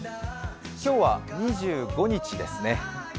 今日は２５日ですね。